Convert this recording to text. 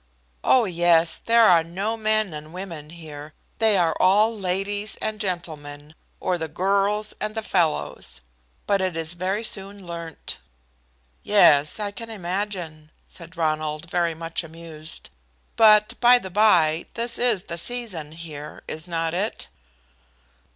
"Oh yes, there are no men and women here. They are all ladies and gentlemen, or 'the gurls,' and 'the fellows.' But it is very soon learnt." "Yes, I can imagine," said Ronald, very much amused. "But by the bye, this is the season here, is not it?"